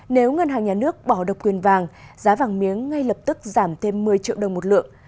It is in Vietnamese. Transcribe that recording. nếu ngân hàng nhà nước bỏ độc quyền vàng giá vàng miếng ngay lập tức giảm thêm một mươi triệu đồng một lượng